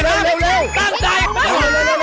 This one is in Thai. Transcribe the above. เร็วเร็วเร็วเร็ว